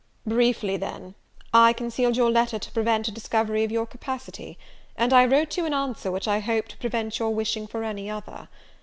"Briefly, then, I concealed your letter to prevent a discovery of your capacity; and I wrote you an answer, which I hoped would prevent your wishing for any other.